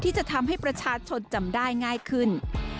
ที่จะทำให้ประชาชนจำได้ง่ายขึ้น